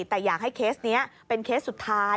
แต่อยากให้เคสนี้เป็นเคสสุดท้าย